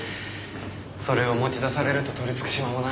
それを持ち出されると取りつく島もない。